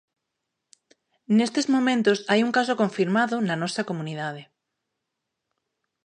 Nestes momentos hai un caso confirmado na nosa comunidade.